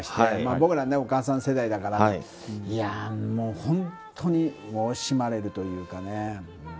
僕らお母さん世代だから本当に惜しまれるというかね。